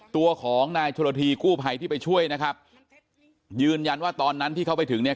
ตัวของนายชนละทีกู้ภัยที่ไปช่วยนะครับยืนยันว่าตอนนั้นที่เขาไปถึงเนี่ย